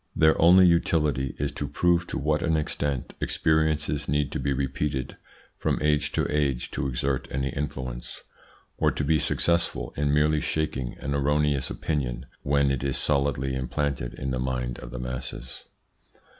Their only utility is to prove to what an extent experiences need to be repeated from age to age to exert any influence, or to be successful in merely shaking an erroneous opinion when it is solidly implanted in the mind of the masses.